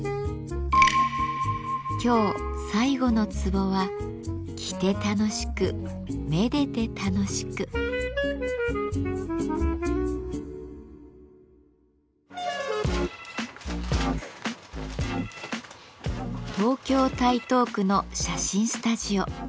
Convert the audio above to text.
今日最後のツボは東京・台東区の写真スタジオ。